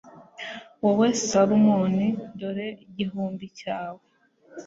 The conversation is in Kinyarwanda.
wowe salomoni, dore igihumbi cyawe